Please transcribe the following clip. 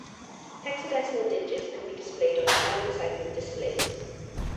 Hexadecimal digits can be displayed on seven-segment displays.